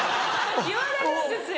言われるんですよ。